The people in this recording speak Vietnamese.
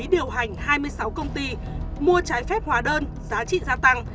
và đầu hành hai mươi sáu công ty mua trái phép hóa đơn giá trị gia tăng